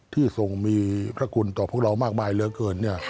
ทรงมีพระคุณต่อพวกเรามากมายเหลือเกิน